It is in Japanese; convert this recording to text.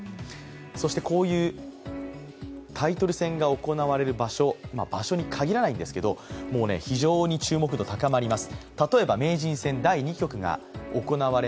そしてこういうタイトル戦が行われる場所、場所に限らないんですけど、非常に注目度、高まります。